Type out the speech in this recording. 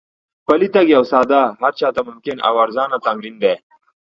پلی تګ یو ساده، هر چا ته ممکن او ارزانه تمرین دی.